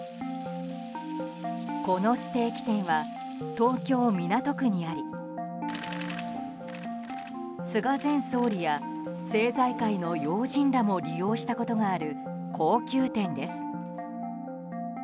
このステーキ店は東京・港区にあり菅前総理や政財界の要人らも利用したことがある高級店です。